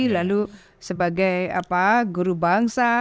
lalu sebagai guru bangsa